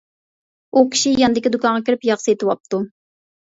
ئۇ كىشى ياندىكى دۇكانغا كىرىپ ياغ سېتىۋاپتۇ.